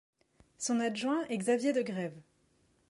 Son adjoint est Xavier De Greve.